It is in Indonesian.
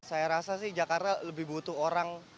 saya rasa sih jakarta lebih butuh orang